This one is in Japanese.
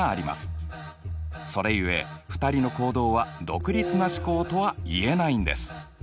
それゆえ２人の行動は独立な試行とは言えないんです。